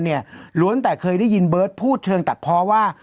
ล้วนแต่เคยได้ยินเบิร์ตพูดเชิงตัดเพราะว่า